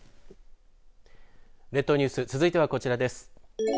列島ニュース、続いてはこちらです。